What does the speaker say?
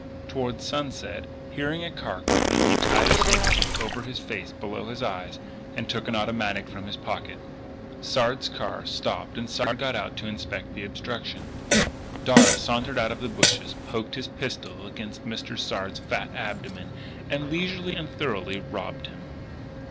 Toward sunset, hearing a car coming, he tied his handkerchief over his face below the eyes, and took an automatic from his pocket. Sard's car stopped and Sard got out to inspect the obstruction. Darragh sauntered out of the bushes, poked his pistol against Mr. Sard's fat abdomen, and leisurely and thoroughly robbed him.